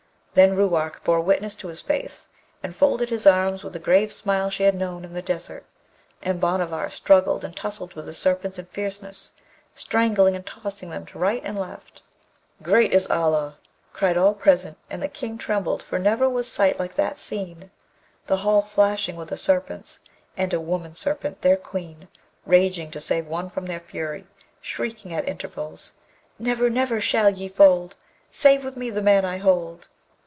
Then Ruark bore witness to his faith, and folded his arms with the grave smile she had known in the desert; and Bhanavar struggled and tussled with the Serpents in fierceness, strangling and tossing them to right and left. 'Great is Allah!' cried all present, and the King trembled, for never was sight like that seen, the hall flashing with the Serpents, and a woman serpent, their Queen, raging to save one from their fury, shrieking at intervals: Never, never shall ye fold, Save with me the man I hold.